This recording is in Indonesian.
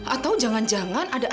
atau jangan jangan ada